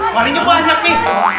malingnya berarti ine mainnya